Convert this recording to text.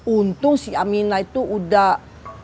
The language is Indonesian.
untung si aminah itu udah